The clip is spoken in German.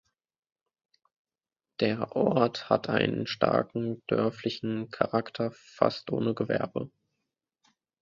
Der Ort hat einen starken dörflichen Charakter, fast ohne Gewerbe.